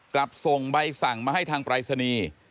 กลับส่งใบสั่งมาให้ทางปรายศนีย์